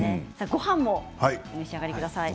ごはんもお召し上がりください。